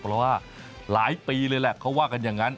เพราะว่าหลายปีเลยแหละเขาว่ากันอย่างนั้น